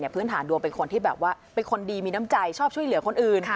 พื้นฐานดวงเป็นคนที่แบบว่าเป็นคนดีมีน้ำใจชอบช่วยเหลือคนอื่น